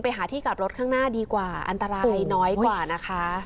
หาที่กลับรถข้างหน้าดีกว่าอันตรายน้อยกว่านะคะ